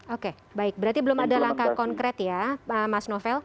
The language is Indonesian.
oke baik berarti belum ada langkah konkret ya mas novel